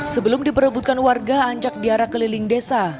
sebelum diperebutkan warga ancak diarak keliling desa